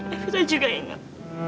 evita juga ingat